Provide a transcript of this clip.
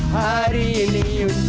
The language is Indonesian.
hari ini untuk sukaria